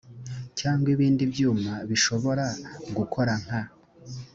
cyangwa ibindi byuma bishobora gukora nka